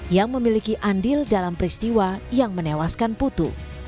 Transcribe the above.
yang memiliki andil dalam peristiwa yang menewaskan putu